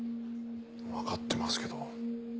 わかってますけど。